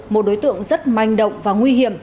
một đối tượng rất manh động và nguy hiểm